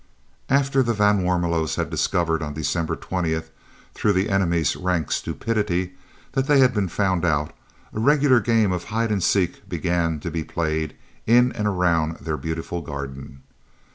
After the van Warmelos had discovered on December 20th, through the enemy's rank stupidity, that they had been found out, a regular game of hide and seek began to be played in and around their beautiful garden.